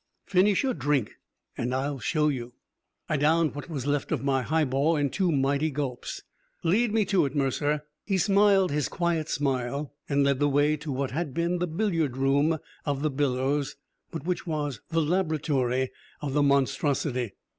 "Finish your drink and I'll show you." I downed what was left of my highball in two mighty gulps. "Lead me to it, Mercer!" He smiled his quiet smile and led the way to what had been the billiard room of "The Billows," but which was the laboratory of "The Monstrosity."